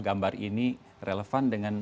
gambar ini relevan dengan